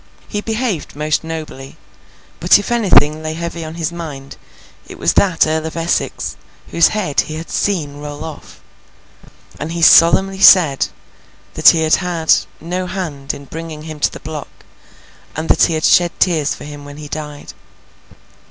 He behaved most nobly, but if anything lay heavy on his mind, it was that Earl of Essex, whose head he had seen roll off; and he solemnly said that he had had no hand in bringing him to the block, and that he had shed tears for him when he died.